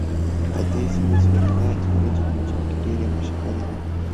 د دې سيمې سرېښناکې وريجې په چين کې ډېرې مشهورې دي.